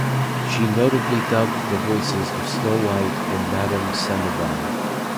She notably dubbed the voices of Snow White and Madame Samovar.